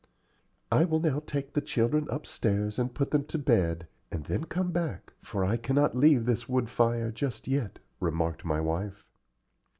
"I will now take the children upstairs and put them to bed, and then come back, for I can not leave this wood fire just yet," remarked my wife.